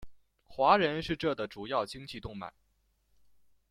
华人是这的主要经济动脉。